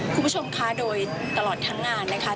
คุณผู้ชมคะโดยตลอดทั้งงานนะคะ